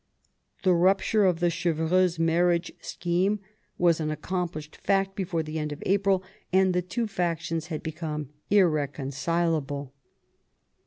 The rupture of the Chevreuse marriage scheme was an accomplished fact before the end of April, and the two factions had become irreconcilable.